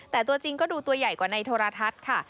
แต่ตัวจริงก็ดูตัวใหญ่กว่าในโทรทัศน์ค่ะ